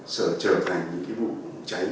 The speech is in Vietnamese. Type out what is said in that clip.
sở trở thành những cái vụ cháy